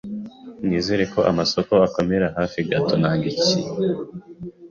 Nizere ko amasoko akomera hafi gato. Nanga icyi.